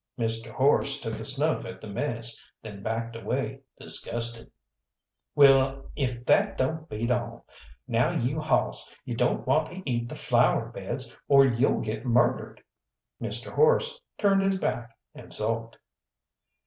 Mr. Horse took a snuff at the mess, then backed away disgusted. "Well, if that don't beat all! Now, you Hawss, you don't want to eat the flower beds, or you'll get murdered!" Mr. Horse turned his back and sulked.